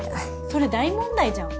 それ大問題じゃん。